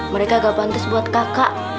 mereka gak pantis buat kakak